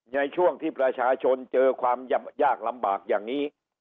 ในช่วงที่ประชาชนเจอความยากลำบากอย่างนี้